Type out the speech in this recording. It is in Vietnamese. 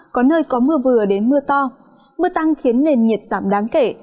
có nơi có mưa vừa đến mưa to mưa tăng khiến nền nhiệt giảm đáng kể